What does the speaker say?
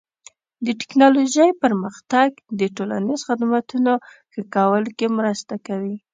د ټکنالوژۍ پرمختګ د ټولنیزو خدمتونو ښه کولو کې مرسته کوي.